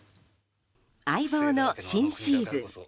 「相棒」の新シーズン。